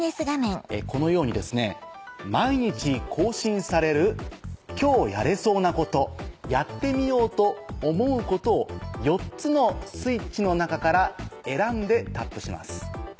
このように毎日更新される今日やれそうなことやってみようと思うことを４つのスイッチの中から選んでタップします。